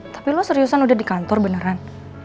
tapi lo seriusan udah di kantor beneran